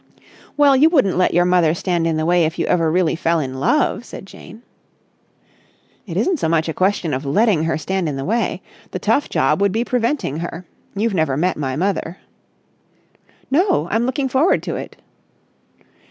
"Well, you wouldn't let your mother stand in the way if you ever really fell in love?" said Jane. "It isn't so much a question of letting her stand in the way. The tough job would be preventing her. You've never met my mother!" "No, I'm looking forward to it!"